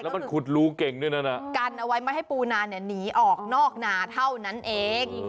มันขุดรูเก่งด้วยนะกันเอาไว้ไม่ให้ปูนาเนี่ยหนีออกนอกนาเท่านั้นเอง